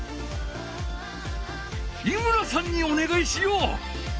井村さんにおねがいしよう！